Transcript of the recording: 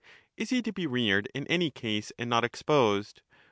Is he to be reared in any case, and not exposed